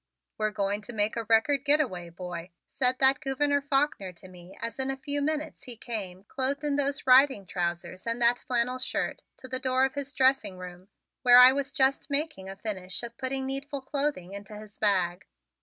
"We're going to make a record get away, boy," said that Gouverneur Faulkner to me as in a few minutes he came, clothed in those riding trousers and that flannel shirt, to the door of his dressing room, where I was just making a finish of putting needful clothing into his bag.